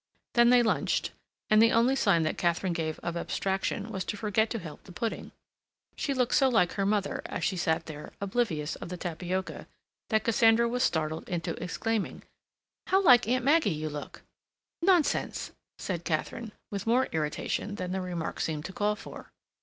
Then they lunched, and the only sign that Katharine gave of abstraction was to forget to help the pudding. She looked so like her mother, as she sat there oblivious of the tapioca, that Cassandra was startled into exclaiming: "How like Aunt Maggie you look!" "Nonsense," said Katharine, with more irritation than the remark seemed to call for.